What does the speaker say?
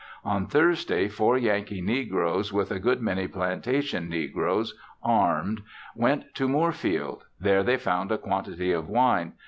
On Thursday four Yankee negroes, with a good many plantation negroes, armed, went to Moorfield. There they found a quantity of wine.